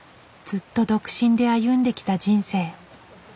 ずっと独身で歩んできた人生。